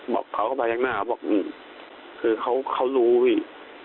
บอกเค้าก็ไปยังหน้าบอกอืมคือเค้ารู้พี่